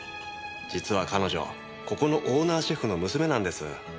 実は彼女ここのオーナーシェフの娘なんです。